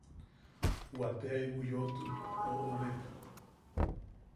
Waate jaibu juʼubwa yoʼotu oʼobek.